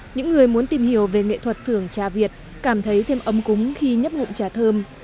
những người muốn tìm hiểu về nghệ thuật thưởng trà việt cảm thấy thêm ấm cúng khi nhấp ngụm trà thơm